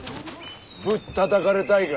ぶったたかれたいか？